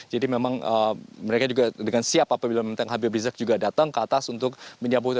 memang mereka juga dengan siap apabila memang habib rizik juga datang ke atas untuk menyambut itu